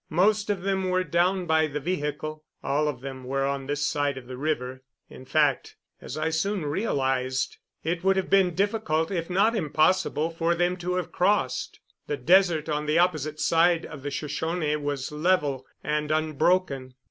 Most of them were down by the vehicle; all of them were on this side of the river. In fact, as I soon realized, it would have been difficult, if not impossible, for them to have crossed. The desert on the opposite side of the Shoshone was level and unbroken.